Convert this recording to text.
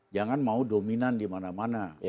jangan mau dominan di mana mana